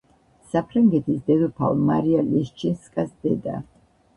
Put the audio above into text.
საფრანგეთის დედოფალ მარია ლეშჩინსკას დედა.